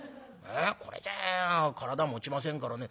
これじゃ体もちませんからね